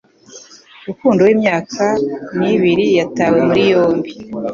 Rukundo w'imyaka nibiri yatawe muri yombi